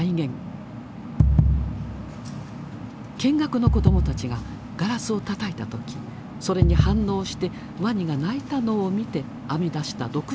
見学の子どもたちがガラスをたたいた時それに反応してワニが鳴いたのを見て編み出した独自の技だ。